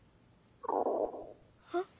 「あっ」。